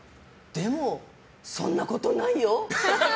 でも、そんなことないよ。